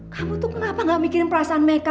kamu tuh kenapa ga mikirin perasaan meka